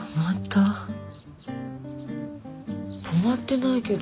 泊まってないけど。